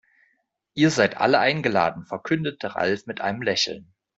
Ihr seid alle eingeladen, verkündete Ralf mit einem Lächeln.